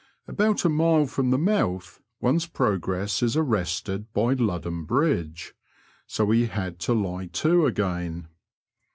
About a mile from the mouth one's progress is arrested by Ludham Bridge, so we had to lie to again.